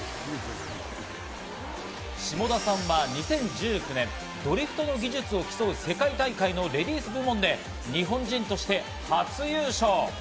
下田さんは２０１９年、ドリフトの技術を競う世界大会のレディース部門で日本人として初優勝。